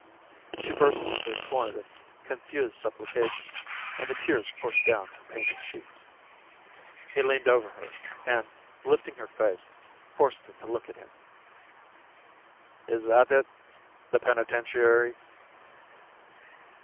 She burst into a torrent of confused supplication and the tears coursed down her painted cheeks. He leaned over her and, lifting her face, forced her to look at him. "Is that it, the penitentiary?"